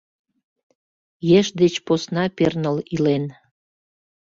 Еш деч посна перныл илен